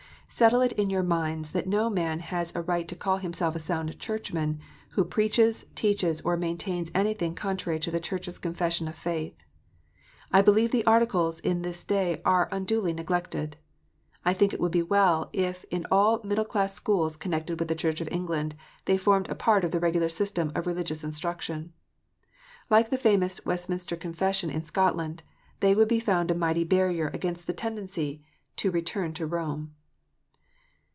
Settle it in your mind that no man has a right to call himself a sound Churchman who preaches, teaches, or maintains anything contrary to the Church s Confession of faith. I believe the Articles in this day are unduly neglected. I think it would be well if in all middle class schools connected with the Church of England, they formed a part of the regular system of religious instruction. Like the famous Westminster Confession in Scotland, they would be found a mighty barrier against the tendency to return to Rome.